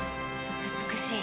美しい。